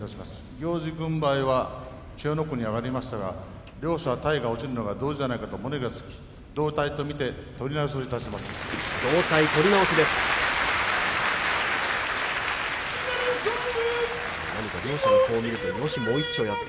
行司軍配は千代の国に上がりましたが両者、体の落ちるが同時ではないかと物言いがつき同体と見て取り直しと決定しました。